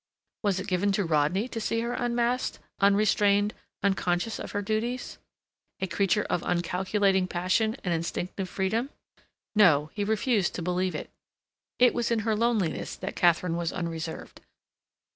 Was it given to Rodney to see her unmasked, unrestrained, unconscious of her duties? a creature of uncalculating passion and instinctive freedom? No; he refused to believe it. It was in her loneliness that Katharine was unreserved.